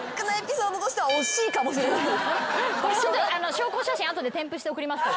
証拠写真後で添付して送りますから。